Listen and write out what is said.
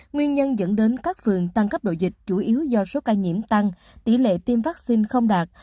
nguyên nhân dẫn đến các phường tăng cấp độ dịch chủ yếu do số ca nhiễm tăng tỷ lệ tiêm vaccine không đạt